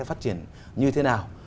phát triển như thế nào